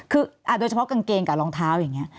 คือโดยเฉพาะกางเกงกับรองเท้าอย่างนี้